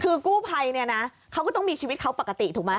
คือกู้ภัยเนี่ยนะเขาก็ต้องมีชีวิตเขาปกติถูกไหม